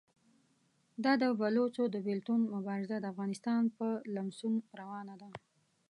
دا د بلوڅو د بېلتون مبارزه د افغانستان په لمسون روانه ده.